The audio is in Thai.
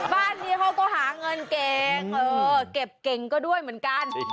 บ้านนี้เขาก็หาเงินเก่งเก็บเก่งก็ด้วยเหมือนกัน